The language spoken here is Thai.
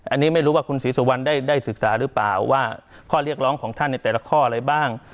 อันนี้ไม่รู้ว่าคุณศรีสุวรรณได้ศึกษาหรือเปล่าว่าข้อเรียกร้องของท่านในแต่ละข้ออะไรบ้าง